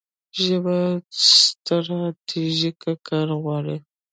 ژبه ستراتیژیک کار غواړي.